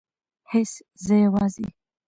هیڅ زه یوازې